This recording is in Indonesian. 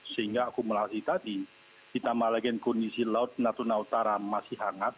sehingga akumulasi tadi ditambah lagi kondisi laut natuna utara masih hangat